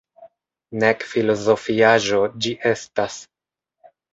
Nek filozofiaĵo ĝi estas.